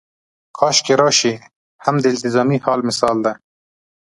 کاشکې راشي هم د التزامي حال مثال دی.